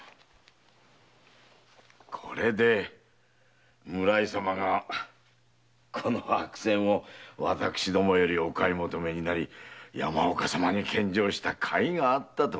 これで村井様がこの白扇を私どもよりお買い求めになり山岡様に献上した甲斐があったと申すもの。